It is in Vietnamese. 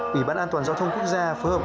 ủy ban an toàn giao thông quốc gia phối hợp